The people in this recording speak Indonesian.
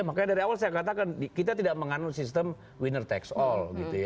makanya dari awal saya katakan kita tidak menganut sistem winner tax all